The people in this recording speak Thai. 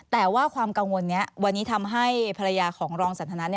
แต่ว่าความกังวลนี้วันนี้ทำให้ภรรยาของรองสันทนา